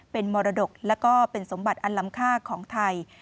เป็นมรดกและก็เป็นสมบัติอันลำค่าของไทย